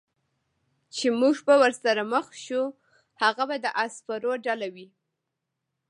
چې موږ به ورسره مخ شو، هغه به د اس سپرو ډله وي.